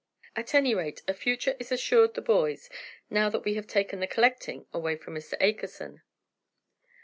At any rate, a future is assured the boys, now that we have taken the collecting away from Mr. Akerson."